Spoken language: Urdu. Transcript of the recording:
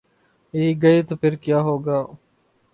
یہ گئے تو پھر کیا ہو گا؟